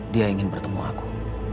dia ingin bertemu aku